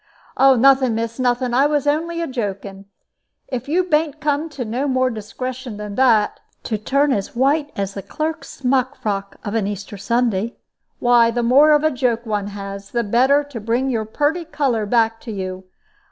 "Nothing, miss, nothing. I was only a joking. If you bain't come to no more discretion than that to turn as white as the clerk's smock frock of a Easter Sunday why, the more of a joke one has, the better, to bring your purty color back to you.